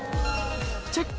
チェック